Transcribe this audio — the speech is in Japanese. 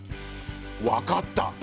わかった！